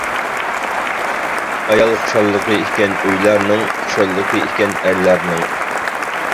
ئايال، خۇشاللىقى ئىكەن ئۆيلەرنىڭ، خۇشاللىقى ئىكەن ئەرلەرنىڭ.